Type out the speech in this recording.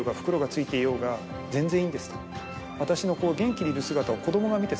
「私の」。